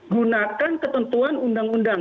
gunakan ketentuan undang undang